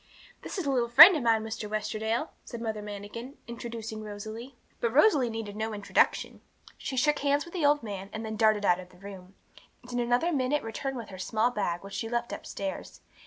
'This is a little friend of mine, Mr. Westerdale,' said Mother Manikin, introducing Rosalie. But Rosalie needed no introduction. She shook hands with the old man, and then darted out of the room, and in another minute returned with her small bag, which she had left upstairs.